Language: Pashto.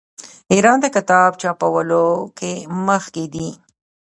ایران د کتاب چاپولو کې مخکې دی.